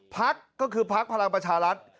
พักก็คือพักพลังประชารัฐ